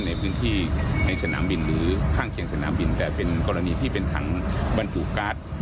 ในพื้นที่ในสนามบินหรือข้างเคียงสนามบินแต่เป็นกรณีที่เป็นถังบรรจุการ์ด